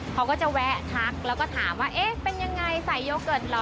เขาก็จะแวะทักแล้วก็ถามว่าเอ๊ะเป็นยังไงใส่โยเกิร์ตเหรอ